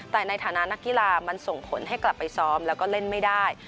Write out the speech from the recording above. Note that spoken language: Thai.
แต่ในฐานะนักกีฬามันส่งผลให้กลับไปซ้อมแล้วก็เล่นไม่ได้